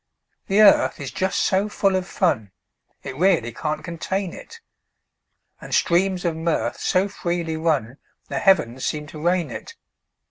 The earth is just so full of fun It really can't contain it; And streams of mirth so freely run The heavens seem to rain it.